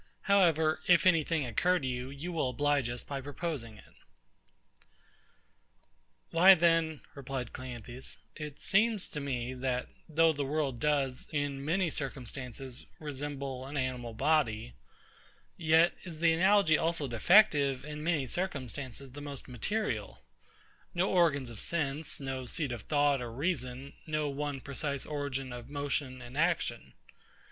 However, if any thing occur to you, you will oblige us by proposing it. Why then, replied CLEANTHES, it seems to me, that, though the world does, in many circumstances, resemble an animal body; yet is the analogy also defective in many circumstances the most material: no organs of sense; no seat of thought or reason; no one precise origin of motion and action.